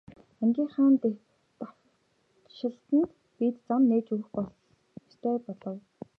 Ангийнхаа давшилтад бид зам нээж өгөх ёстой гэж бодов.